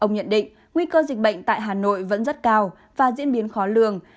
ông nhận định nguy cơ dịch bệnh tại hà nội vẫn rất cao và diễn biến khó lường